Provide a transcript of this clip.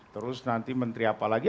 terus nanti menteri apa lagi